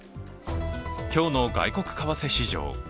今日の外国為替市場。